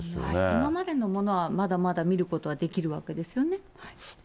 今までのものはまだまだ見ることはできるわけですよね。